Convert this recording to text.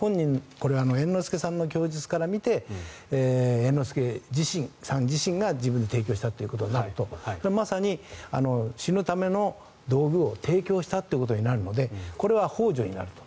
これは猿之助さんの供述から見て猿之助さん自身が、自分で提供したということになるとまさに、死ぬための道具を提供したことになるのでこれはほう助になると。